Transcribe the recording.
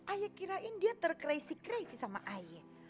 ayah kirain dia ter crazy crazy sama ayah